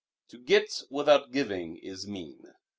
To get without giving is mean.